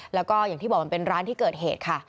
แล้วก็อย่างที่บอกมันเป็นร้านที่เกิดเหตุค่ะ